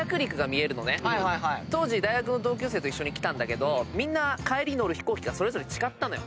当時大学の同級生と一緒に来たんだけどみんな帰りに乗る飛行機がそれぞれ違ったのよ。